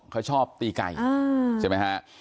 เขาชอบตีไก่ใช่ไหมฮะ